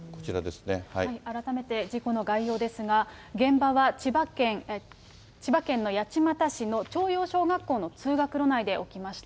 改めて、事故の概要ですが、現場は千葉県の八街市の朝陽小学校の通学路内で起きました。